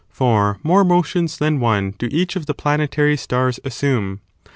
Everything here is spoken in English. For more motions than one do each of the planetary stars assume.